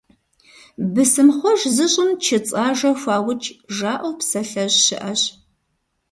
«Бысымхъуэж зыщӀым чыцӀ ажэ хуаукӀ», - жаӀэу псалъэжь щыӀэщ.